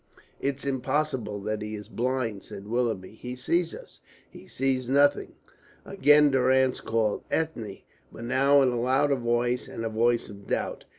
"It's impossible that he is blind," said Willoughby. "He sees us." "He sees nothing." Again Durrance called "Ethne," but now in a louder voice, and a voice of doubt.